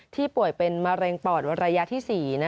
ที่ป่วยเป็นมะเร็งปอดวันระยะที่สี่